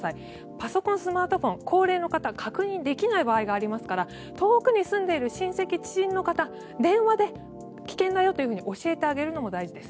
パソコン、スマートフォン高齢の方は確認できない場合がありますから遠くに住んでいる親戚、知人の方に電話で危険だよというふうに教えてあげるのも大事です。